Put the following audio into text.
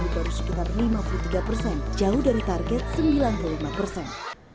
baru sekitar lima puluh tiga persen jauh dari target sembilan puluh lima persen